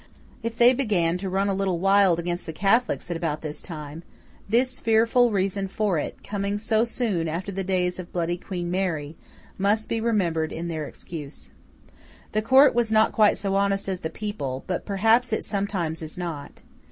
If they began to run a little wild against the Catholics at about this time, this fearful reason for it, coming so soon after the days of bloody Queen Mary, must be remembered in their excuse. The Court was not quite so honest as the people—but perhaps it sometimes is not.